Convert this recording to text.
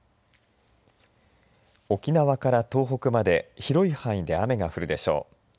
沖縄から東北まで広い範囲で雨が降るでしょう。